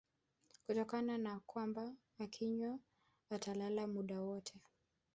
kutokana na kwamba akinywa atalala muda wote